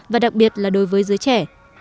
và đặc biệt là đối với giới trẻ